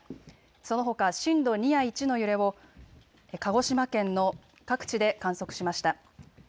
そのほか震度２や１の揺れを鹿児島県の各地で観測しました。